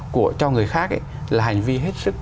cho người khác là hành vi hết sức